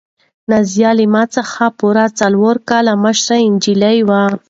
نازیه له ما څخه پوره څلور کاله مشره نجلۍ وه.